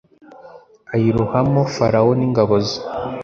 ayirohamo farawo n'ingabo ze